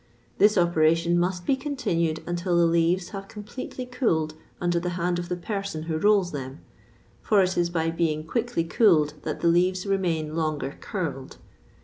This operation must be continued until the leaves have completely cooled under the hand of the person who rolls them, for it is by being quickly cooled that the leaves remain longer curled.